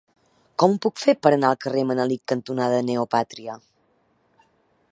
Com ho puc fer per anar al carrer Manelic cantonada Neopàtria?